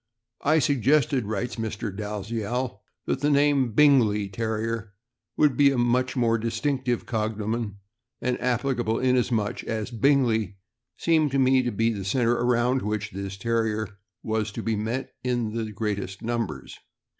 "I suggested," writes Mr. Dalziel, "that the name Bingley Terrier would be a more distinctive cognomen, and applicable, inasmuch as Bingley seemed to me to be the center around which this Terrier was to be met with in the greatest numbers.